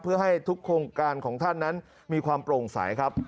เพื่อให้ทุกโครงการของท่านนั้นมีความโปร่งใสครับ